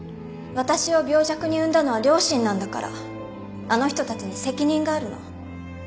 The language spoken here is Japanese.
私を病弱に生んだのは両親なんだからあの人たちに責任があるの